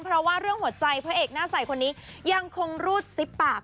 เพราะว่าเรื่องหัวใจพระเอกหน้าใสคนนี้ยังคงรูดซิบปาก